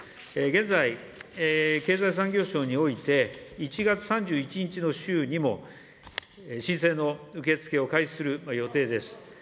現在、経済産業省において１月３１日の週にも、申請の受け付けを開始する予定です。